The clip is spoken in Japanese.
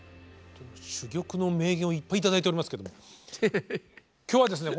珠玉の名言をいっぱい頂いておりますけれども今日はですね